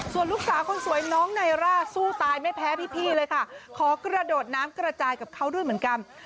ส่วนลูกสาวคนสวยน้องไนร่าสู้ตายไม่แพ้พี่เลยค่ะขอกระโดดน้ำกระจายกับเขาด้วยเหมือนกัน